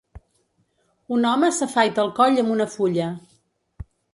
Un home s'afaita el coll amb una fulla.